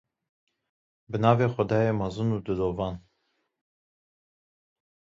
Bi navê xwedayê mezin û dilovan.